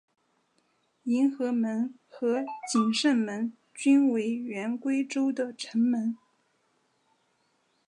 迎和门和景圣门均为原归州的城门。